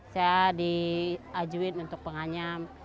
saya diajui untuk penganyam